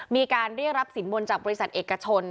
มีการเรียกรับสินบนจากบริษัทเอกชน